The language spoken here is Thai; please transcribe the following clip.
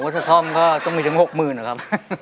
ถ้าซ่อมก็ต้องมีถึง๖๐๐๐๐บาทครับ